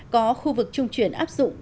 có khu vực trung chuyển áp dụng